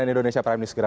aneh gitu kan pasti saya